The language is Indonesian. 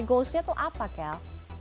goalsnya tuh apa kel